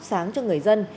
sáng cho người dân